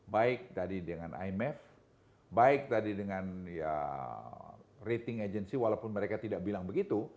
baik tadi dengan imf baik tadi dengan ya rating agency walaupun mereka tidak bilang begitu